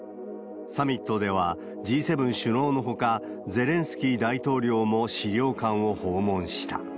サミットでは、Ｇ７首脳のほか、ゼレンスキー大統領も資料館を訪問した。